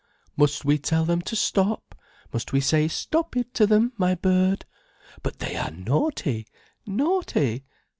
"Must we tell them to stop, must we say 'stop it' to them, my bird? But they are naughty, naughty!